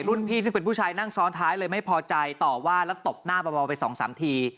พี่ซึ่งเป็นผู้ชายนั่งซ้อนท้ายเลยไม่พอใจต่อว่าแล้วตบหน้าเบาไปสองสามที